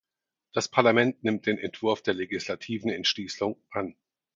Das Parlament nimmt den Entwurf der legislativen Entschließung an.